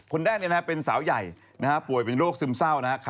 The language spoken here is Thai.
คนแรกเป็นสาวใหญ่ป่วยเป็นโรคซึมเศร้านะครับ